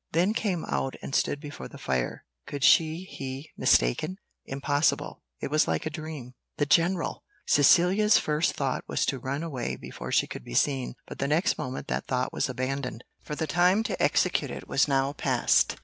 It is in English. Then came out and stood before the fire could she he mistaken? impossible it was like a dream the general! Cecilia's first thought was to run away before she should be seen; but the next moment that thought was abandoned, for the time to execute it was now past.